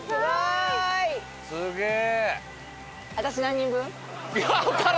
すげえ！